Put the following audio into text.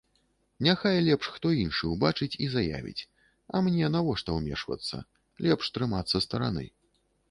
Няхай лепш хто іншы ўбачыць і заявіць, а мне навошта ўмешвацца, лепш трымацца стараны.